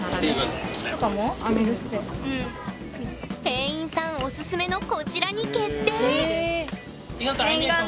店員さんおすすめのこちらに決定！